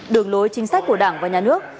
đường lối chính sách của đảng và nhà nước